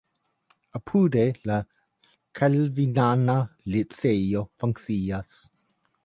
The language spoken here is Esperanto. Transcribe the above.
Apude la kalvinana liceo funkcias.